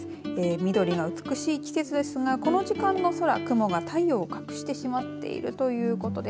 緑が美しい季節ですがこの時間の空、雲が太陽を隠してしまっているということです。